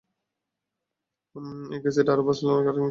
একই ক্যাসেট আরও বাজালে আমি কী করবো, সেটাও জানি।